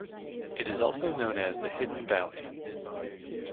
It is also known as "The Hidden Valley".